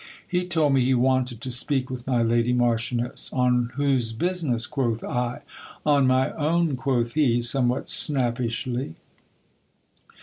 He told me he wanted to speak with my lady marchioness. On whose business ? quoth I. On my own, quoth he, somewhat snappishly.